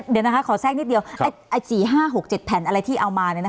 เดี๋ยวนะคะขอแทรกนิดเดียวครับไอจีห้าหกเจ็ดแผ่นอะไรที่เอามาเนี่ยนะคะ